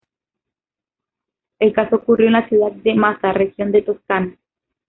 El caso ocurrió en la ciudad de Massa, región de Toscana.